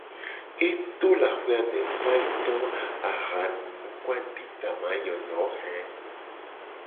E to le axome va yi to ahanunu ku aditamayoyo he.